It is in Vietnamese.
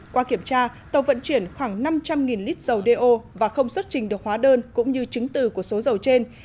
qua kiểm tra tàu vận chuyển khoảng năm trăm linh lít dầu đeo và không xuất trình được hóa đơn cũng như chứng từ của số dầu trên